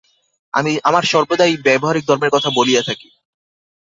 আমরা সর্বদাই ব্যবহারিক ধর্মের কথা বলিয়া থাকি।